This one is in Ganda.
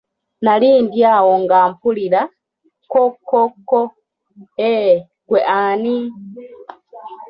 Nali ndi awo nga mpulira, kko kko kko, eeee ggwe ani?